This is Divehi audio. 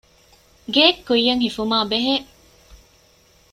ގެއެއްކުއްޔަށް ހިފުމާބެހޭ